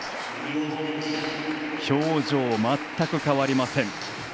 表情、全く変わりません。